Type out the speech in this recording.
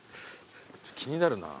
気になるな。